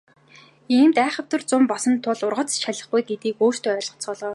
Иймд айхавтар зун болсон тул ургац ч шалихгүй гэдгийг өөрсдөө ойлгоцгоо.